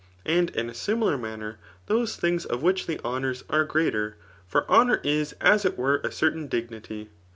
And in a similar manner those things di wtich the llonomv ajpe greater; for honour is as it were a certain dignity.